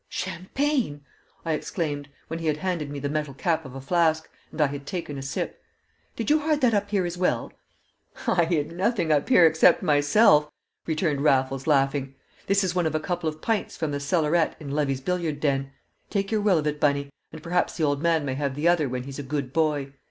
"Champagne!" I exclaimed, when he had handed me the metal cap of a flask, and I had taken a sip. "Did you hide that up here as well?" "I hid nothing up here except myself," returned Raffles, laughing. "This is one of a couple of pints from the cellarette in Levy's billiard den; take your will of it, Bunny, and perhaps the old man may have the other when he's a good boy.